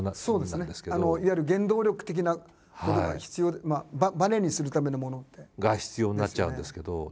そうですね。いわゆる原動力的なものが必要でバネにするためのものみたいな。が必要になっちゃうんですけど。